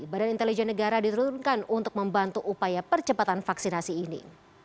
badan intelijen negara diturunkan untuk membantu upaya percepatan vaksinasi ini